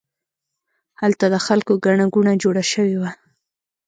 هلته د خلکو ګڼه ګوڼه جوړه شوې وه.